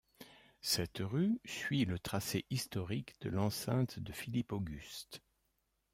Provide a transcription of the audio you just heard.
Cette rue suit le tracé historique de l'enceinte de Philippe Auguste.